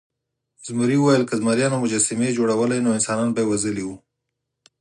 زمري وویل که زمریانو مجسمې جوړولی نو انسان به یې وژلی و.